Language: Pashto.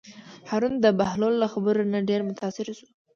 هارون د بهلول له خبرو نه ډېر متأثره شو.